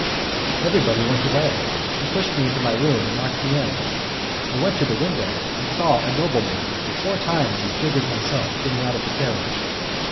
Everybody went away, she pushed me into my room and locked me in. I went to the window, and saw a nobleman four times as big as myself getting out of the carriage.